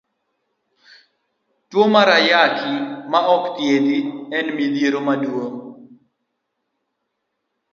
Tuo mar Ayaki ma ok thiedhi en midhiero maduong'.